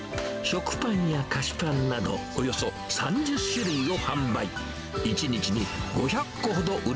食パンや菓子パンなど、およそ３０種類を販売。